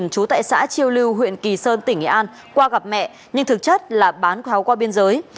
chú tại xã chiêu lưu huyện kỳ sơn tỉnh nghệ an qua gặp mẹ nhưng thực chất là bán pháo qua biên giới